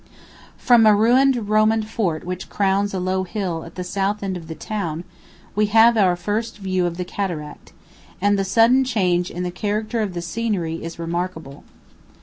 From a ruined Roman fort which crowns a low hill at the south end of the town we have our first view of the cataract, and the sudden change in the character of the scenery is remarkable.